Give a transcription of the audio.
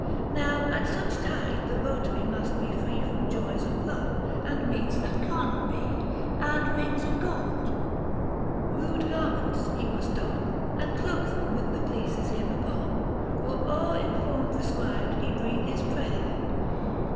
755 Now at such tide the votary must be free From joys of love, and meats that carnal be, And rings of gold ; rude garments he must don, And cloak them with the fleeces him upon, Or e'er in form prescribed he breathe his prayer.